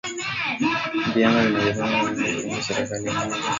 viama vinavyo pingana kuunda serikali moja